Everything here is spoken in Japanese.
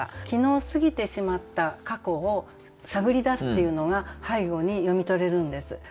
昨日過ぎてしまった過去を探り出すっていうのが背後に読み取れるんです。